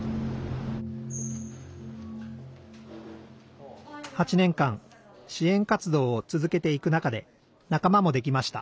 やっぱり８年間支援活動を続けていく中で仲間もできました。